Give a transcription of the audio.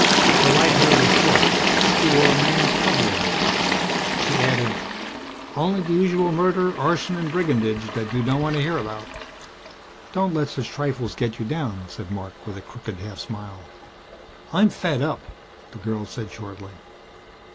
Her light hair was short, she wore a man's coveralls. She added, "Only the usual murder, arson and brigandage that you don't want to hear about." "Don't let such trifles get you down," said Marc with a crooked half smile. "I'm fed up," the girl said shortly.